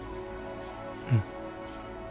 うん。